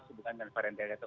sebuah varian delta ini